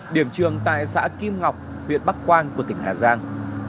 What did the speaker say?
điểm trường tại xã kim ngọc huyện bắc quang của tỉnh hà giang